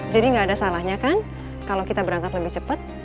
jadi gak ada salahnya kan kalau kita berangkat lebih cepat